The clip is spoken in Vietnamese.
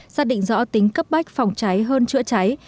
xác định rõ tính cấp bách phòng cháy hơn chữa cháy